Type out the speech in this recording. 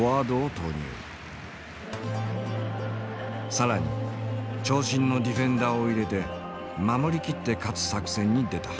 更に長身のディフェンダーを入れて守り切って勝つ作戦に出た。